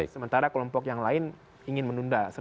sementara kelompok yang lain ingin menunda